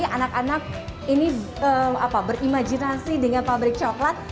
anak anak ini berimajinasi dengan pabrik coklat